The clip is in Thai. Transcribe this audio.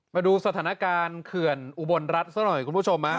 มาดูสถานการณ์เขื่อนอุบลรัฐซะหน่อยคุณผู้ชม